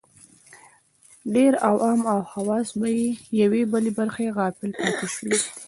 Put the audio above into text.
ډېر عوام او خواص یوې بلې برخې غافل پاتې شوي دي